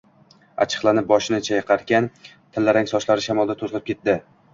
Achchiqlanib boshini chayqarkan, tillarang sochlari shamolda to‘zg‘ib ketdi.